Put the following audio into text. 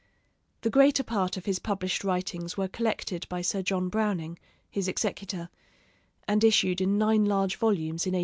The greater part of his published writings were collected by Sir John Browning, his executor, and issued in nine large volumes in 1843.